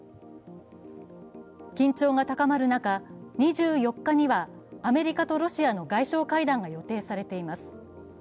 緊張が高まる中、２４日にはアメリカとロシアの外相会談が予定されています。